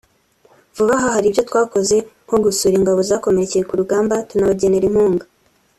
vuba aha hari ibyo twakoze nko gusura ingabo zakomerekeye ku rugamba tunabagenera inkunga